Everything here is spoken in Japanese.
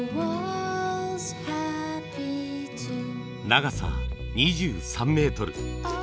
長さ２３メートル。